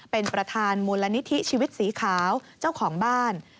เป็นประธานมูลนิธิชีวิตสีขาวเจ้าของบ้าน